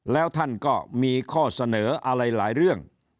แล้วท่านก็มีข้อเสนออะไรหลายเรื่อง